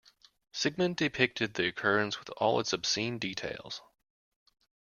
Sigmund depicted the occurrence with all its obscene details.